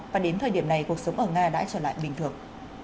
và đến thời điểm này cuộc sống ở nga đã trở lại bình thường